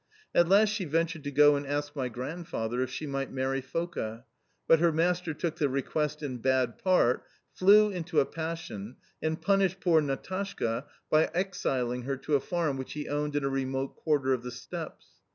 At last she ventured to go and ask my grandfather if she might marry Foka, but her master took the request in bad part, flew into a passion, and punished poor Natashka by exiling her to a farm which he owned in a remote quarter of the Steppes.